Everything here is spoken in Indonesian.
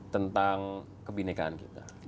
tentang kebenekaan kita